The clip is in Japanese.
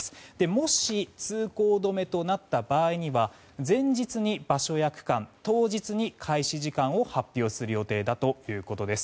もし、通行止めとなった場合は前日に場所や区間当日に開始時間を発表する予定だということです。